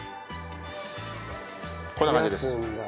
こんな感じです。